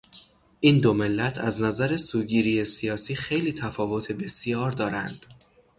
این دو ملت از نظر سوگیری سیاسی خیلی تفاوت بسیار دارند.